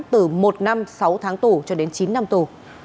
từ một năm sáu tháng tù cho đến chín năm tù